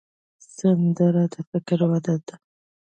سندره د فکر وده ده